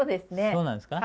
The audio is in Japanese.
そうなんですか？